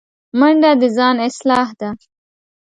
منډه د ځان اصلاح ده